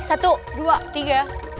satu dua tiga